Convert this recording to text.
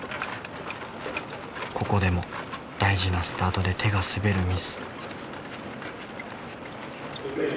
ここでも大事なスタートで手が滑るミス。